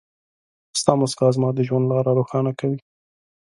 ستا مسکا زما د ژوند لاره روښانه کوي.